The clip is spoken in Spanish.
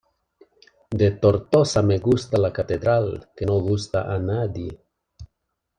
De Tortosa me gusta la catedral, ¡que no gusta a nadie!